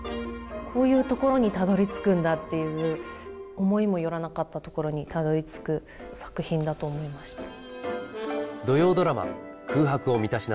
こういうところにたどりつくんだっていう思いも寄らなかったところにたどりつく作品だと思いました。